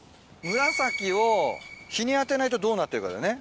紫を日に当てないとどうなってるかだよね。